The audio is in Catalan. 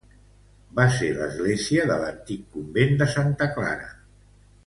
Va ser l'església de l'antic convent de Santa Clara.